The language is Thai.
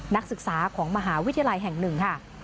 นักศึกษาของมหาวิทยาลัยแห่งหนึ่งค่ะ